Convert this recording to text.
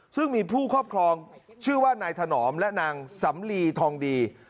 ซึ่งมีผู้ครอบครองชื่อว่านายถนอมและนางสำลีทองดี